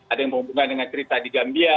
ada yang berhubungan dengan cerita di gambia